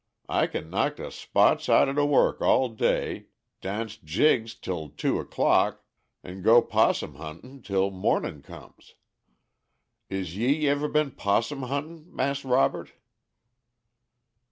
I kin knock de spots out de work all day, daunce jigs till two o'clock, an' go 'possum huntin' till mornin' comes. Is ye ever been 'possum huntin', Mas' Robert?"